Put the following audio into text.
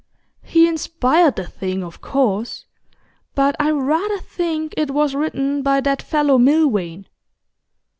'He inspired the thing, of course; but I rather think it was written by that fellow Milvain.